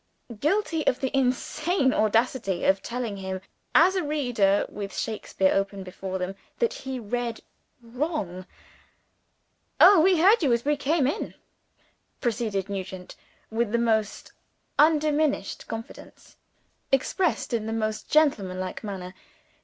guilty of the insane audacity of telling him, as a reader with Shakespeare open before them that he read wrong! "Oh, we heard you as we came in!" proceeded Nugent, with the most undiminished confidence, expressed in the most gentlemanlike manner.